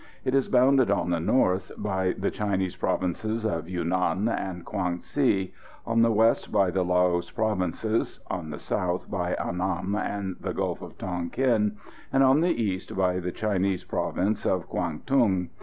It is bounded on the north by the Chinese provinces of Yunan and Kwang si, on the west by the Laos provinces, on the south by Annam and the Gulf of Tonquin, and on the east by the Chinese province of Kwang tung.